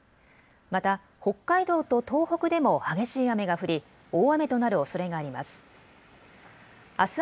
また北海道と東北でも激しい雨が降り大雨となるおそれがあります。